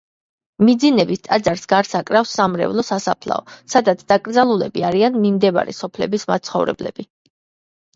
მიძინების ტაძარს გარს აკრავს სამრევლო სასაფლაო, სადაც დაკრძალულები არიან მიმდებარე სოფლების მაცხოვრებლები.